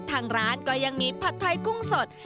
ทางร้านก็ยังมีผัดไทยกุ้งสด